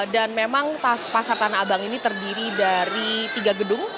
dan memang pasar tanah abang ini terdiri dari tiga gedung